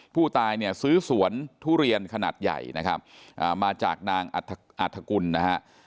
ผู้ตายเนี่ยซื้อสวนทุเรียนขนาดใหญ่นะครับมาจากนางอัฐกุลนะฮะ